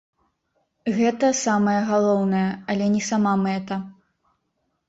Гэта самае галоўнае, але не сама мэта.